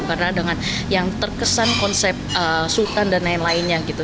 karena dengan yang terkesan konsep sultan dan lain lainnya gitu